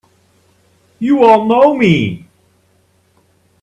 You all know me!